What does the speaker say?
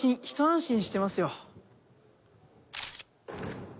ひと安心してますよ。